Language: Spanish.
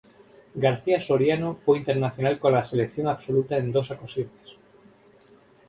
García Soriano fue internacional con la selección absoluta en dos ocasiones.